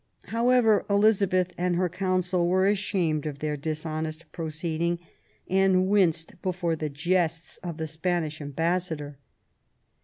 However, Elizabeth and her Council were ashamed of their dishonest proceeding, and winced before the jests of the Spanish ambassador.